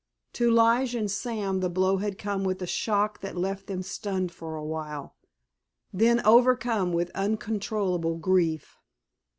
To Lige and Sam the blow had come with a shock that left them stunned for a while, then overcome with uncontrollable grief.